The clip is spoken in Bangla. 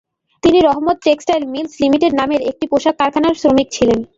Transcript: তিনি রহমত টেক্সটাইল মিলস লিমিটেড নামের একটি পোশাক কারখানার শ্রমিক ছিলেন।